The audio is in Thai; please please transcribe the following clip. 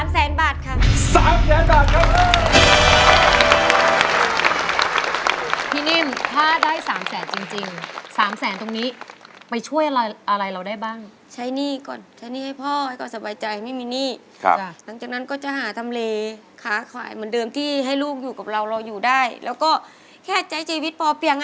สามแสนบาทค่ะสามแสนบาทครับเฮ้ย